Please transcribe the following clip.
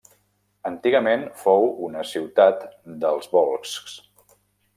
Antigament fou una ciutat dels volscs.